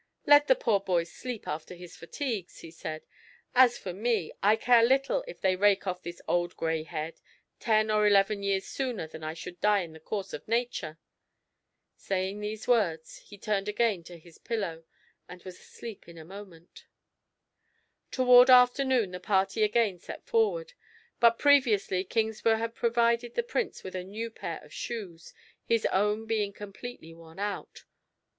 "Let the poor boy sleep after his fatigues," he said. "As for me, I care little if they rake off this old gray head, ten or eleven years sooner than I should die in the course of nature." Saying these words, he turned again to his pillow, and was asleep in a moment. Toward afternoon the party again set forward, but previously Kingsburgh had provided the Prince with a new pair of shoes, his own being completely worn out.